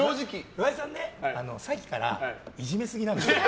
岩井さんね、さっきからいじめすぎなんですよ。